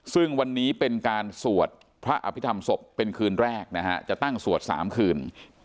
ซึ่งวันนี้เป็นการสวดพระอภิษฐรรมศพเป็นคืนแรกนะฮะจะตั้งสวด๓คืน